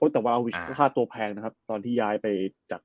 แต่ว่าอาวิชก็ค่าตัวแพงนะครับตอนที่ย้ายไปจาก